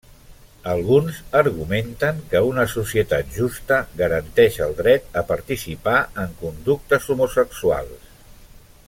Alguns argumenten que una societat justa garanteix el dret a participar en conductes homosexuals.